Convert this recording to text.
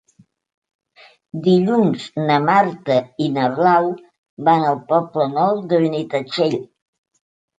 Dilluns na Marta i na Blau van al Poble Nou de Benitatxell.